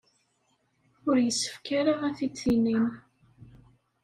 Ur yessefk ara ad t-id-tinim.